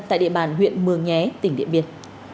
tại địa bàn huyện mường nhé tỉnh điện biên